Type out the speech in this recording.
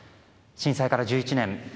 震災から１１年。